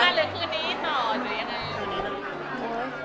ก็ตั้งวันเลยคืนนี้ต่อโดยยังอะไร